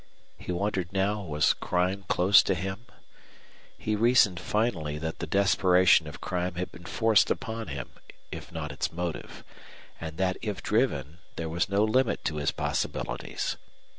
He wondered now was crime close to him? He reasoned finally that the desperation of crime had been forced upon him, if not its motive; and that if driven, there was no limit to his possibilities.